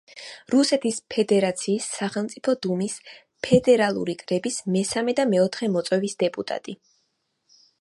რუსეთის ფედერაციის სახელმწიფო დუმის ფედერალური კრების მესამე და მეოთხე მოწვევის დეპუტატი.